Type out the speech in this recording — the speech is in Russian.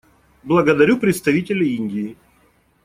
Благодарю представителя Индии.